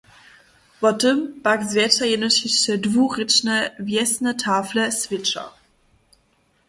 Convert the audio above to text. Wo tym pak zwjetša jenož hišće dwurěčne wjesne tafle swědča.